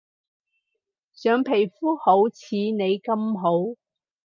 想皮膚好似你咁好